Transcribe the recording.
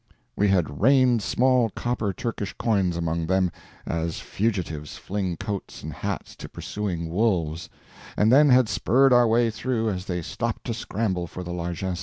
We had rained small copper Turkish coins among them, as fugitives fling coats and hats to pursuing wolves, and then had spurred our way through as they stopped to scramble for the largess.